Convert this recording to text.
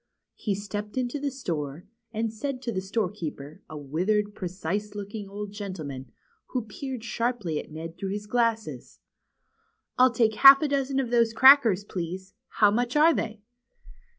He stepped into the store, and said to the store keeper, a withered, precise looking old gentleman, who peered sharply at Ned through his glasses : I'll take half a dozen of those crackers, please. How much are they?"